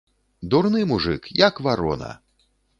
Дурны мужык, як варона!